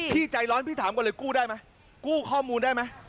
ใจร้อนพี่ถามก่อนเลยกู้ได้ไหมกู้ข้อมูลได้ไหม